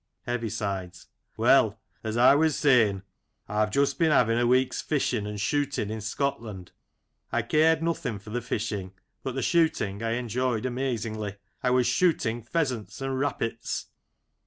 Heavisides : Well, as I was saying, I've just been having a week's fishing and shooting in Scotland. I cared nothing for the fishing, but the shooting I enjoyed amazingly. I was shooting pheasants and rappits.